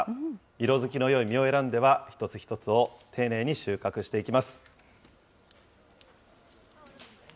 色づきのよい実を選んでは、一つ一つを丁寧に収穫していきます。